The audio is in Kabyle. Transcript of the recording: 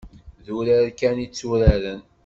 D urar kan i tturaren.